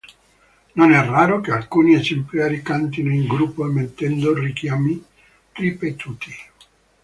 Non è raro che alcuni esemplari cantino in gruppo emettendo richiami ripetuti.